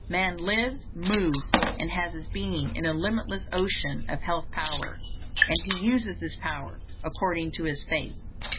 Man lives, moves, and has his being in a limitless ocean of health power; and he uses this power according to his faith.